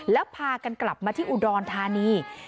แล้วพากันกลับมาที่อุดรธานี